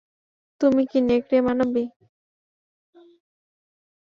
তুমি কি নেকড়েমানবী?